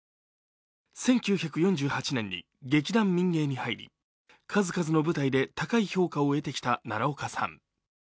１９４８年に劇団民藝に入り数々の舞台で高い評価を得てきた奈良岡さん。